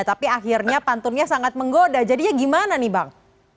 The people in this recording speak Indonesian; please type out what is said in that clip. tapi akhirnya pantunnya sangat menggoda jadinya gimana nih bang